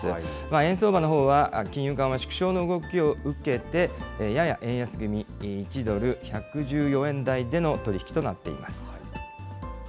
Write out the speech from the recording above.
円相場のほうは金融緩和縮小の動きを受けて、やや円安気味に１ドル１１４円台での取り引きとなっています。